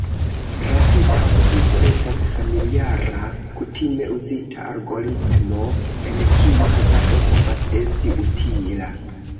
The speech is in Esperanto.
Rapida ordigo estas familiara, kutime uzita algoritmo en kiu hazardo povas esti utila.